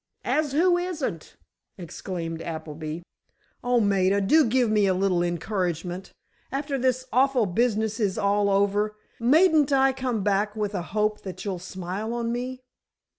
"As who isn't?" exclaimed Appleby. "Oh, Maida, do give me a little encouragement. After this awful business is all over, mayn't I come back with a hope that you'll smile on me?"